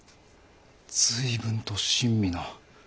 随分と親身な。